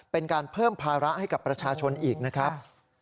เป็นการเพิ่มภาระให้กับประชาชนอีกนะครับ